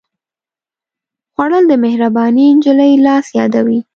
خوړل د مهربانې نجلۍ لاس یادوي